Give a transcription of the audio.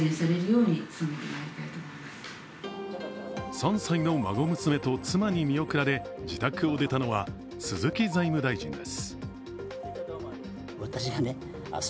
３歳の孫娘と妻に見送られ自宅を出たのは鈴木財務大臣です